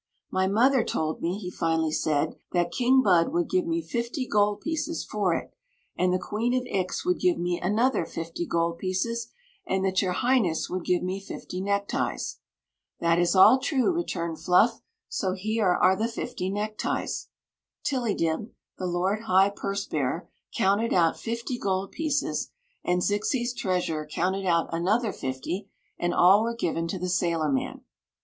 « My mother told me" he finally said, " that King Bud would give me fifty gold pieces for it, and the Queen of Ix would give me another fifty gold pieces, and that your Highness would give me fifty neckties." "That is ^1 true," returned Fluflf; "so here the fifty neckties." Tillydib, the lord high purse bearer, counted out fifty gold pieces, and Zixi's treasurer counted out an other fifty, and all were given to die sailorman.